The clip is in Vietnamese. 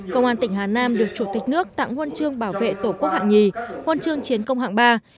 công an tỉnh hà nam được chủ tịch nước tặng huân chương bảo vệ tổ quốc hạng nhì huân chương chiến công hạng ba